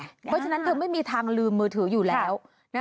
เพราะฉะนั้นเธอไม่มีทางลืมมือถืออยู่แล้ว